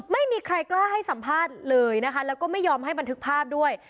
ไม่มีใครกล้าให้สัมภาษณ์เลยนะคะแล้วก็ไม่ยอมให้บันทึกภาพด้วย